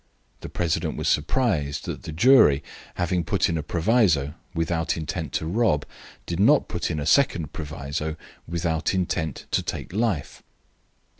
The president was surprised that the jury, having put in a proviso without intent to rob did not put in a second proviso without intent to take life.